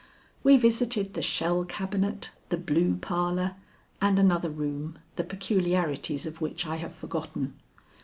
We visited the Shell Cabinet, the Blue Parlor, and another room, the peculiarities of which I have forgotten.